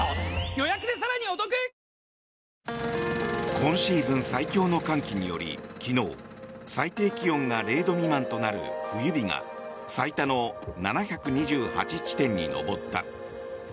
今シーズン最強の寒気により昨日、最低気温が０度未満となる冬日が最多の７２８地点に上った。